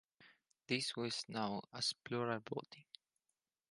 This was known as plural voting.